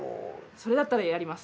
それだったらやります。